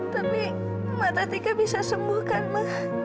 tapi mata tika bisa sembuhkan ma